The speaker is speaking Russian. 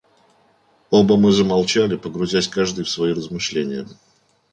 Оба мы замолчали, погрузясь каждый в свои размышления.